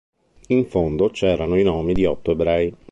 In fondo c'erano i nomi di otto ebrei.